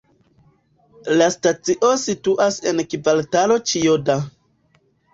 La stacio situas en Kvartalo Ĉijoda.